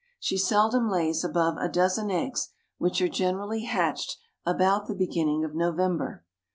She seldom lays above a dozen eggs, which are generally hatched about the beginning of November.